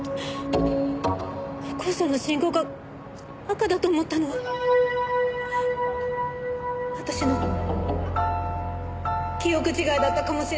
歩行者の信号が赤だと思ったのは私の記憶違いだったかもしれません。